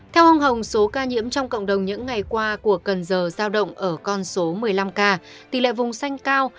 theo ông hồng số ca nhiễm trong cộng đồng những ngày qua của cần giờ giao động ở con số một mươi năm ca tỷ lệ vùng xanh cao